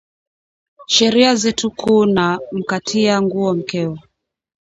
Sheria zetu ku na mkatiya nguo mkeo